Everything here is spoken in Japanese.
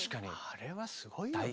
あれはすごいよね。